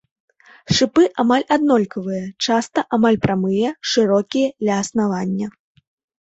Шыпы амаль аднолькавыя, часта амаль прамыя, шырокія ля аснавання.